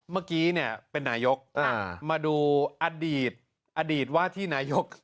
เมื่อกี้เนี่ยเป็นนายกมาดูอดีตอดีตว่าที่นายก